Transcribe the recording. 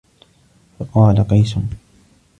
فَقَالَ قَيْسٌ